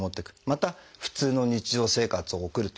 また普通の日常生活を送る。